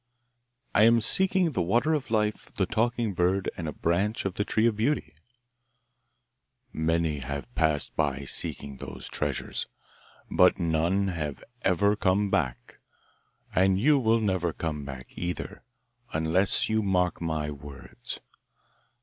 'I am seeking the water of life, the talking bird, and a branch of the tree of beauty.' 'Many have passed by seeking those treasures, but none have ever come back; and you will never come back either, unless you mark my words.